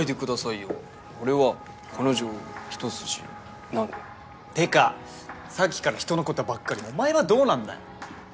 俺は彼女一筋なんでってかさっきから人のことばっかりお前はどうなんだよ？